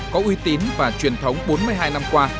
có uy tín và truyền thống bốn mươi hai năm qua